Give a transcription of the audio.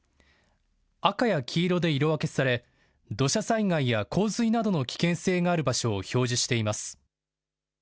赤や黄色で色分けされ土砂災害や洪水などの危険性がある場所を表示しています。